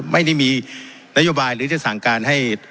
ไม่ได้มีนโยบายหรือจะสั่งการให้